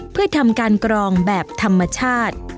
เพื่อทำการกรองแบบธรรมชาติ